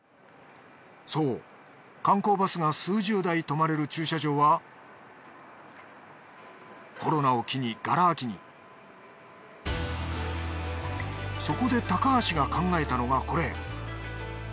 そう観光バスが数十台止まれる駐車場はコロナを機にがら空きにそこで高橋が考えたのがこれ。